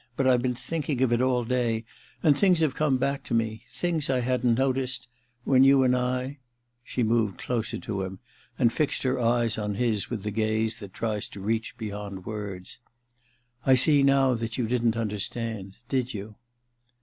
But I've been thinking of it all day, and things have come back to me — things I hadn't noticed ... when you and I ...' She moved closer to him, and fixed her eyes on his with the gaze which tries to reach beyond words. * I see now that you didn't understand — did you